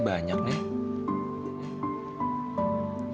masih banyak nih